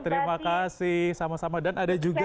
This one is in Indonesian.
terima kasih sama sama dan ada juga